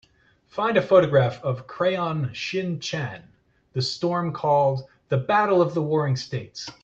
Find a photograph of Crayon Shin-chan: The Storm Called: The Battle of the Warring States